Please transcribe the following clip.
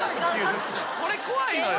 これ怖いのよ。